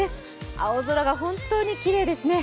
青空が本当にきれいですね。